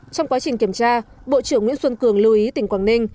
trong quá trình kiểm tra bộ trưởng nguyễn xuân cường lưu ý tỉnh quảng ninh